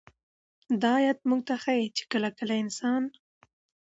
دا آيت موږ ته ښيي چې كله كله انسان